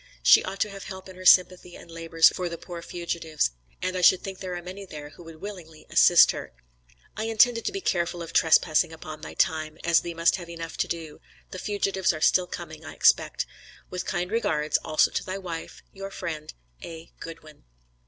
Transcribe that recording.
She ought to have help in her sympathy and labors for the poor fugitives, and, I should think there are many there who would willingly assist her. I intended to be careful of trespassing upon thy time, as thee must have enough to do; the fugitives are still coming I expect. With kind regards, also to thy wife, your friend, A. GOODWIN.